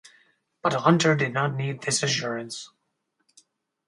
But Hunter did not need this assurance.